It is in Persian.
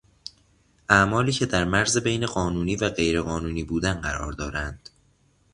اعمالی که در مرز بین قانونی و غیر قانونی بودن قرار دارند